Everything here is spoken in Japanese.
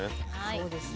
そうですね。